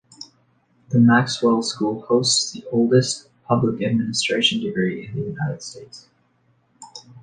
The Maxwell School hosts the oldest public administration degree in the United States.